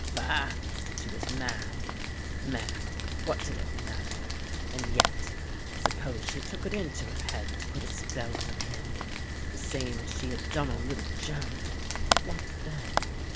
"Faugh! she was mad mad what did it matter? And yet, suppose she took it into her head to put a spell on him, the same as she had done on little Joan! What then?